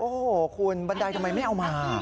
โอ้โหคุณบันไดทำไมไม่เอามา